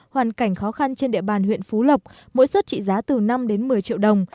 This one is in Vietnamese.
hoàn cảnh khó khăn trên địa bàn huyện phú lộc mỗi suất trị giá từ năm đến một mươi triệu đồng